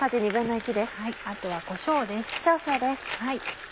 あとはこしょうです。